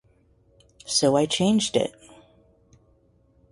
So I changed it.